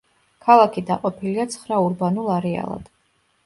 ქალაქი დაყოფილია ცხრა ურბანულ არეალად.